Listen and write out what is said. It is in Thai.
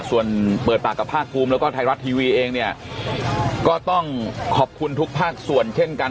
ส่วนเปิดปากกับภาคภูมิแล้วก็ไทยรัฐทีวีเองเนี่ยก็ต้องขอบคุณทุกภาคส่วนเช่นกัน